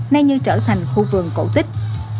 nay như trở thành khu vườn cổ tích